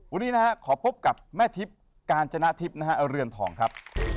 วันนี้นะฮะขอพบกับแม่ทิพย์กาญจนทิพย์นะฮะเรือนทองครับ